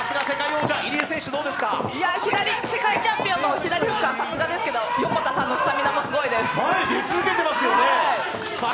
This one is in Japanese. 世界チャンピオンの左フックはさすがですけど横田さんのスタミナもすごいです。